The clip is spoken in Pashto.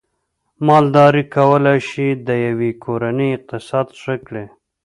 مالداري کولای شي د یوې کورنۍ اقتصاد ښه کړي